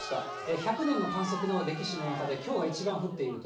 １００年の観測の歴史の中できょうが一番降っていると。